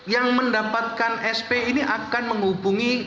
yang mendapatkan sp ini akan menghubungi